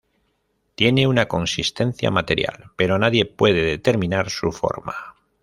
Tiene una consistencia material, pero nadie puede determinar su forma.